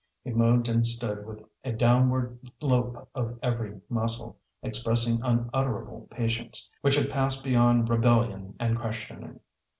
He moved and stood with a downward lope of every muscle, expressing unutterable patience, which had passed beyond rebellion and questioning.